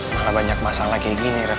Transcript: malah banyak masalah kayak gini ref